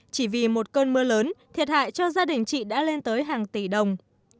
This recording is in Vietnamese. chỉ vì một cơn mưa lớn thiệt hại cho gia đình chị đã lên tới hàng tỷ đồng